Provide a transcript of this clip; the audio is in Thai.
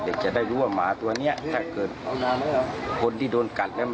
จะได้รู้ว่าหมาตัวนี้ถ้าเกิดคนที่โดนกัดแล้ว